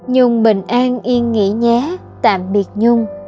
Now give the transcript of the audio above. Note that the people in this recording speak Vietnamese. nhung bình an yên nghỉ nhé tạm biệt nhung